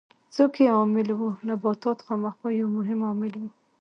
څوک یې عامل وو؟ نباتات خامخا یو مهم عامل و.